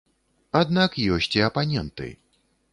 Аднак ёсць і апаненты.